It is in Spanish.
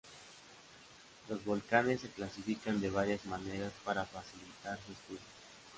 Los volcanes se clasifican de varias maneras para facilitar su estudio.